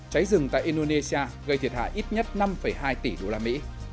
trái rừng tại indonesia gây thiệt hại ít nhất năm hai tỷ usd